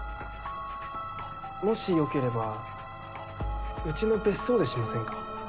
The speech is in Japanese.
もしよければうちの別荘でしませんか？